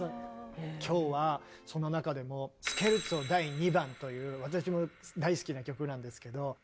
今日はその中でも「スケルツォ第２番」という私も大好きな曲なんですけど。